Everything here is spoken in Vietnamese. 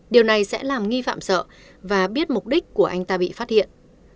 điều này sẽ làm nghi phạm sợ và biết mục đích của anh ta bị phát hiện